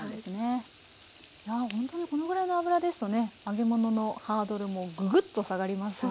本当にこのぐらいの油ですとね揚げ物のハードルもぐぐっと下がりますね。